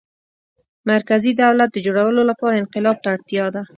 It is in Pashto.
مرکزي دولت د جوړولو لپاره انقلاب ته اړتیا ده.